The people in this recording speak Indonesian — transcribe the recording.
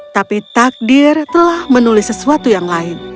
tapi takdir telah menulis sesuatu yang lain